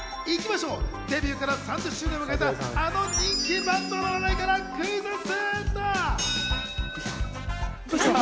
まずはデビューから３０周年を迎えた、あの人気バンドの話題からクイズッス！